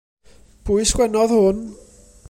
Pwy sgwenodd hwn?